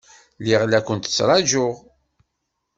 Lliɣ la ken-ttṛajuɣ.